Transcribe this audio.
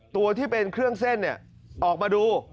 ตัวที่เป็นเครื่องเส้นออกมาดู